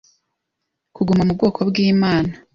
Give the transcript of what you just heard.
kuguma mu bwoko bw’Imana